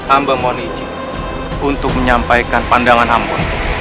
amba mohon izin untuk menyampaikan pandangan amba